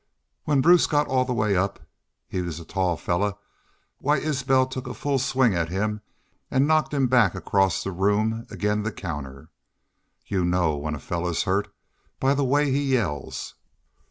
When Bruce got all the way up he's a tall fellar why Isbel took a full swing at him an' knocked him back across the room ag'in' the counter. Y'u know when a fellar's hurt by the way he yells.